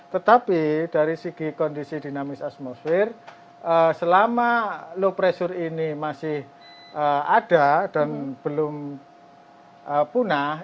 tetapi dari segi kondisi dinamis atmosfer selama low pressure ini masih ada dan belum punah